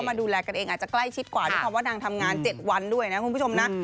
มาดูแลกันเองอาจจะใกล้ชิดกว่าด้วยคำว่านางทำงาน๗วันด้วยนะคุณผู้ชมนะ